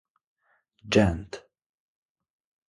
Gent.